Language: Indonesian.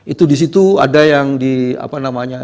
itu disitu ada yang di apa namanya